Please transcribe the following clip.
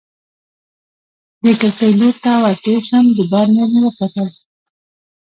د کړکۍ لور ته ور تېر شوم، دباندې مې وکتل.